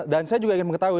dan saya juga ingin mengetahui